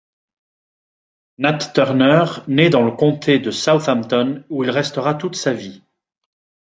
Nat Turner naît dans le comté de Southampton où il restera toute sa vie.